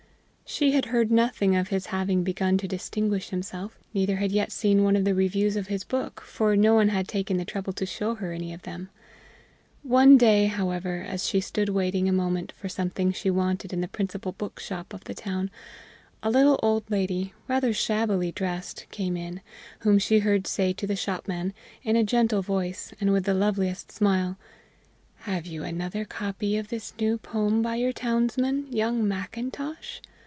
She had heard nothing of his having begun to distinguish himself, neither had yet seen one of the reviews of his book, for no one had taken the trouble to show her any of them. One day, however, as she stood waiting a moment for something she wanted in the principal bookshop of the town, a little old lady, rather shabbily dressed, came in, whom she heard say to the shopman, in a gentle voice, and with the loveliest smile: "Have you another copy of this new poem by your townsman, young Macintosh?"